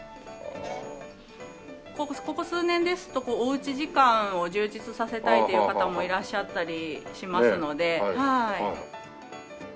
ここ数年ですとおうち時間を充実させたいという方もいらっしゃったりしますのではい。